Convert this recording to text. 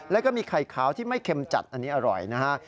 แล้วก็มีไข่ขาวที่ไม่เค็มจัดอันนี้อร่อยนะฮะ